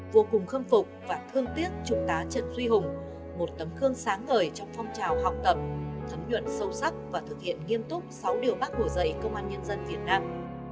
vô cùng khâm phục và thương tiếc trung tá trần duy hùng một tấm khương sáng ngời trong phong trào học tập thấm nhuận sâu sắc và thực hiện nghiêm túc sáu điều bác hồ dạy công an nhân dân việt nam